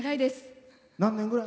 何年ぐらい？